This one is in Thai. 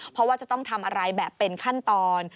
เพราะว่าจะต้องทำอะไรแบบเป็นขั้นตอน